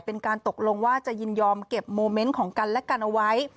เป็นการตกลงว่าจะยินยอมเก็บโมเมนต์ของกันและกันเอาไว้